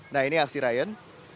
nah ini aksi ryan